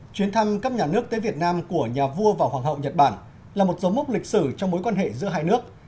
chuyến thăm cấp nhà nước tới việt nam của nhà vua và hoàng hậu nhật bản là một dấu mốc lịch sử trong mối quan hệ giữa hai nước